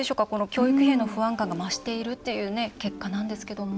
教育費への不安感が増しているという結果なんですけども。